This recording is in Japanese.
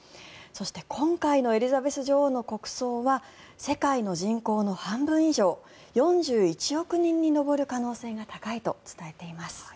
そして今回のエリザベス女王の国葬は世界の人口の半分以上４１億人に上る可能性が高いと伝えています。